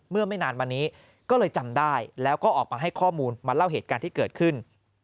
ไม่นานมานี้ก็เลยจำได้แล้วก็ออกมาให้ข้อมูลมาเล่าเหตุการณ์ที่เกิดขึ้น